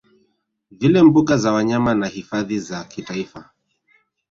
vile mbuga za wanyama na Hifadhi za kitaifa